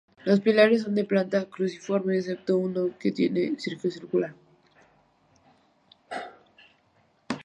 Los pilares son de planta cruciforme, excepto uno que la tiene circular.